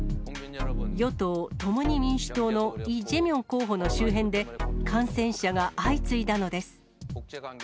与党・共に民主党のイ・ジェミョン候補の周辺で、感染者が相次いだのです。